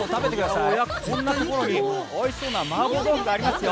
こんなところにおいしそうなマーボー豆腐がありますよ。